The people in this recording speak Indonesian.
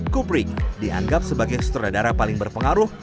kupring dianggap sebagai sutradara paling berpengaruh